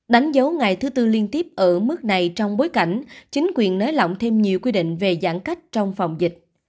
đánh dấu ngày thứ tư liên tiếp ở mức này trong bối cảnh chính quyền nới lỏng thêm nhiều quy định về giãn cách trong phòng dịch